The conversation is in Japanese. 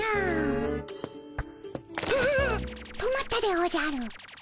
止まったでおじゃる。